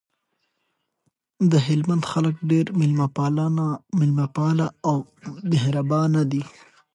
دهلمند خلګ ډیر میلمه پاله او مهربان دي